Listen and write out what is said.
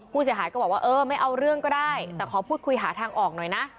ผู้เสียหายก็บอกว่าเออไม่เอาเรื่องก็ได้แต่ขอพูดคุยหาทางออกหน่อยนะ